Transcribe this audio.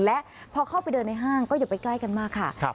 และพอเข้าไปเดินในห้างก็อย่าไปใกล้กันมากค่ะ